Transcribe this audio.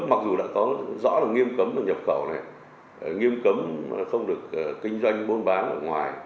mặc dù đã có rõ là nghiêm cấm là nhập khẩu này nghiêm cấm không được kinh doanh buôn bán ở ngoài